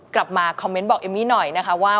กลับมาคอมเมนต์บอกเอมมี่หน่อยนะคะว่า